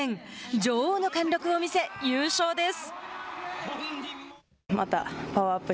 女王の貫禄を見せ、優勝です。